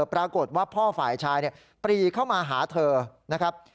ปรากฏว่าพ่อฝ่ายชายปรีเข้ามาหาเธอนะครับ